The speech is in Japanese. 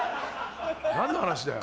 何の話だよ。